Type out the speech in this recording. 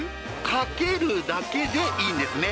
かけるだけでいいんですね